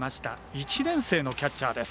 １年生のキャッチャーです。